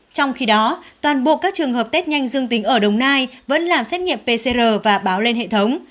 trong khi đó toàn bộ các trường hợp test nhanh dương tính ở đồng nai vẫn làm xét nghiệm pcr và báo lên hệ thống